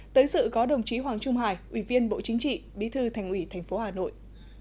tới sự có đồng chí hoàng trung hải ủy viên bộ chính trị bí thư thành ủy tp hà nội